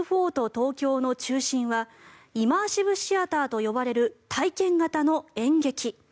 東京の中心はイマーシブシアターと呼ばれる体験型の演劇。